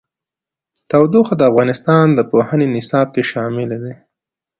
تودوخه د افغانستان د پوهنې نصاب کې شامل دي.